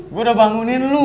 gue udah bangunin lo